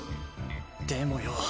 でもよ